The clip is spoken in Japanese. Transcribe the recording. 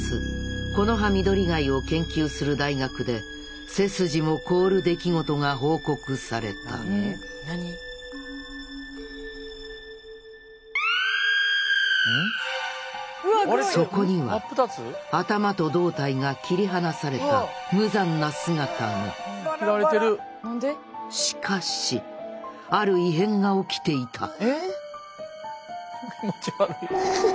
コノハミドリガイを研究する大学で背筋も凍る出来事が報告されたそこには頭と胴体が切り離された無残な姿がしかしある異変が起きていた気持ち悪い。